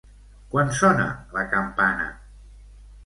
Quan sona la campana?